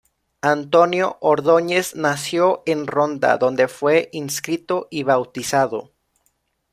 Antonio Ordóñez nació en Ronda, donde fue inscrito y bautizado.